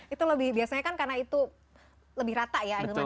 itu lebih biasanya kan karena itu lebih rata ya ahilman